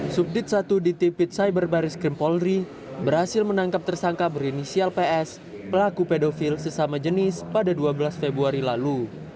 subdit satu di tipit cyber baris krim polri berhasil menangkap tersangka berinisial ps pelaku pedofil sesama jenis pada dua belas februari lalu